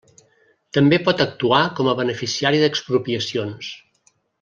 També pot actuar com a beneficiari d'expropiacions.